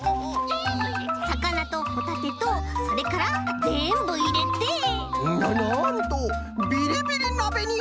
さかなとホタテとそれからぜんぶいれてななんとビリビリなべにへんしんじゃ！